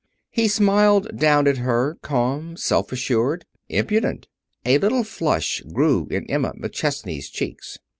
He smiled down at her, calm, self assured, impudent. A little flush grew in Emma McChesney's cheeks.